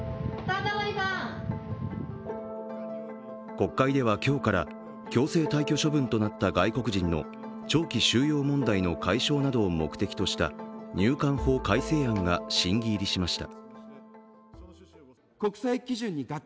国会では今日から強制退去処分となった外国人の長期収容問題の解消などを目的とした入管法改正案が審議入りしました。